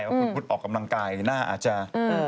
ว่าคุณพุทธออกกำลังกายหน้าอาจจะ